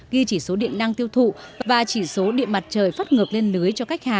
ghi chỉ số điện năng tiêu thụ và chỉ số điện mặt trời phát ngược lên lưới